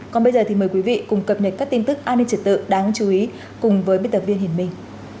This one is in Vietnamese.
còn bây giờ thì mời quý vị cùng cập nhật các tin tức an ninh trật tự đáng chú ý cùng với biên tập viên hiển minh